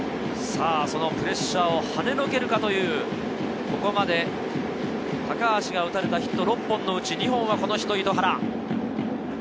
そのプレッシャーをはねのけるかという、ここまで高橋が打たれたヒット６本のうち２本はこの人、糸原。